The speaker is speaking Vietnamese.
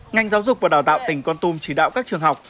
ngành giáo dục và đào tạo tỉnh con tum chỉ đạo các trường học